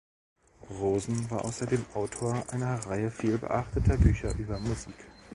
Rosen war außerdem Autor einer Reihe vielbeachteter Bücher über Musik.